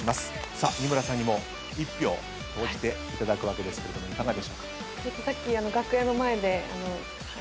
さあ仁村さんにも１票投じていただくわけですけどいかがでしょうか？